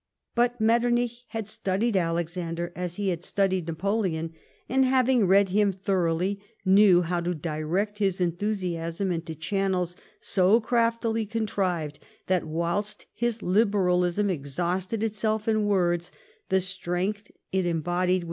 But Mctternich had studied Alexander as he had studied Napoleon, and, having read him thoroughly, knew how to direct his enthusiasm into channels so craftily contrived that whilst his liberalism exhausted itself in words, the strength it embodied v.